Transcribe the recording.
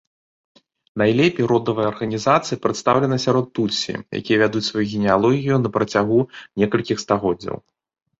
Найлепей родавая арганізацыя прадстаўлена сярод тутсі, якія вядуць сваю генеалогію на працягу некалькіх стагоддзяў.